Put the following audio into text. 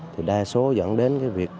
thì đa số dẫn đến